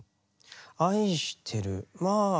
愛してるまあ。